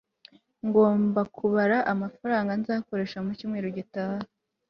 ngomba kubara amafaranga nzakoresha mucyumweru gitaha